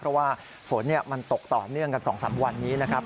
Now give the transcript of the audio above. เพราะว่าฝนมันตกต่อเนื่องกัน๒๓วันนี้นะครับ